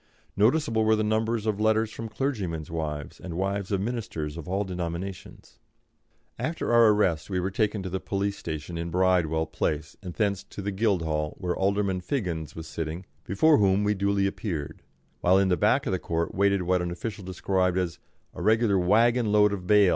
Noticeable were the numbers of letters from clergymen's wives, and wives of ministers of all denominations. After our arrest we were taken to the police station in Bridewell Place, and thence to the Guildhall, where Alderman Figgins was sitting, before whom we duly appeared, while in the back of the court waited what an official described as "a regular waggon load of bail."